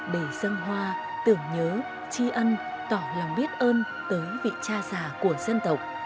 để dân hoa tưởng nhớ tri ân tỏ lòng biết ơn tới vị cha già của dân tộc